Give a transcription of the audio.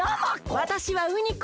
わたしはウニコ。